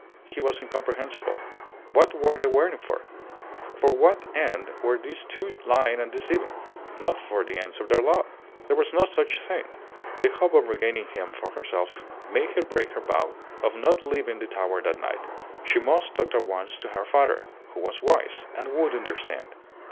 He was incomprehensible. What were they waiting for? For what end were these two lying and deceiving? Not for the ends of their love. There was no such thing. The hope of regaining him for herself made her break her vow of not leaving the tower that night. She must talk at once to her father, who was wise, and would understand.